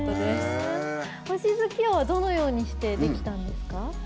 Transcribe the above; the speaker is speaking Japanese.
「星月夜」はどのようにしてできたんですか？